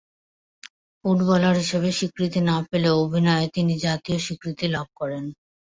Footballer হিসেবে স্বীকৃতি না পেলেও অভিনয়ে তিনি জাতীয় স্বীকৃতি লাভ করেন।